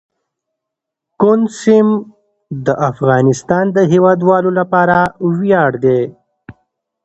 کندز سیند د افغانستان د هیوادوالو لپاره ویاړ دی.